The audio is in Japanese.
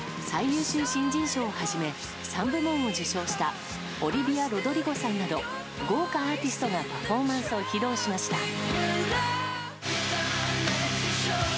最優秀新人賞をはじめ３部門を受賞したオリヴィア・ロドリゴさんなど豪華アーティストがパフォーマンスを披露しました。